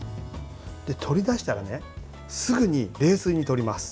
取り出したらすぐに冷水にとります。